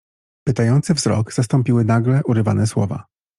"Pytający wzrok zastąpiły nagle urywane słowa."